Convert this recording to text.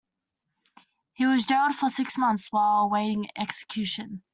He was jailed for six months while awaiting execution.